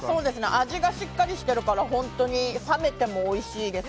味がしっかりしているから、冷めてもおいしいです。